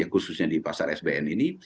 khususnya di pasar sbn ini